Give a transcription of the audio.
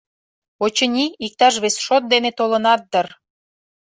Очыни, иктаж вес шот дене толынат дыр.